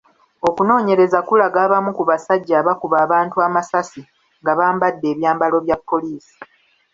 Okunoonyereza kulaga abamu ku basajja abakuba abantu amasasi nga bambadde ebyambalo bya poliisi .